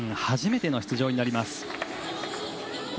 初めての出場になります。